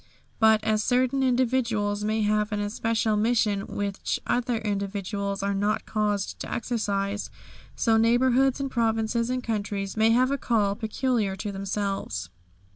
But as certain individuals may have an especial mission which other individuals are not caused to exercise, so neighbourhoods and provinces and countries may have a call peculiar to themselves.